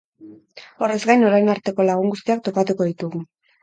Horrez gain, orain arteko lagun guztiak topatuko ditugu.